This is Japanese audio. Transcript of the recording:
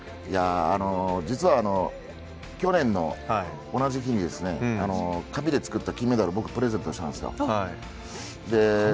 実は、去年の同じ日に紙で作った金メダルを僕、プレゼントしたんですよ。